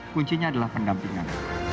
kuncinya adalah pendampingan